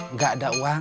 nggak ada uang